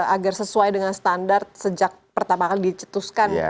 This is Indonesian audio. agar sesuai dengan standar sejak pertama kali dicetuskan